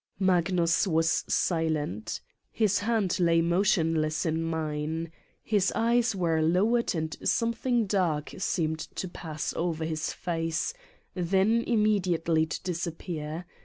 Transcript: Magnus was silent. His hand lay motionless in mine. His eyes were lowered and something dark seemed to pass over his face, then immediately to disappear.